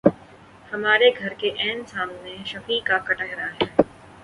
ہمارے گھر کے عین سامنے شفیع کا کٹڑہ ہے۔